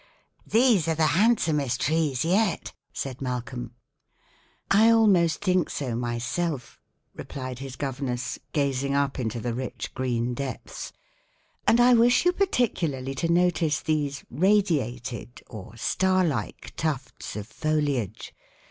"These are the handsomest trees yet," said Malcolm. "I almost think so myself," replied his governess, gazing up into the rich green depths, "and I wish you particularly to notice these radiated or star like tufts of foliage.